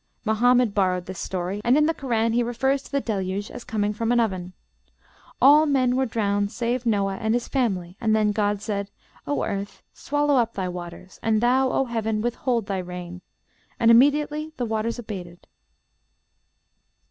Mohammed borrowed this story, and in the Koran he refers to the Deluge as coming from an oven. "All men were drowned save Noah and his family; and then God said, 'O earth, swallow up thy waters; and thou, O heaven, withhold thy rain;' and immediately the waters abated."